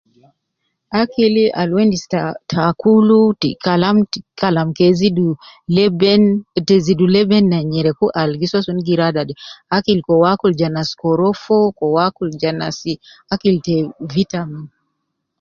Akil al uwo endis ta akul, kalam kede zidu zidu leben zidu leben na nyereku al gi radade, akil aju kede uwo akul ja nas korofo, aju kede uwo akul akil ta vitamin.